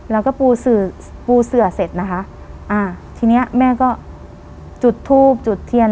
แล้วก็ปูสื่อปูเสือเสร็จนะคะอ่าทีเนี้ยแม่ก็จุดทูบจุดเทียน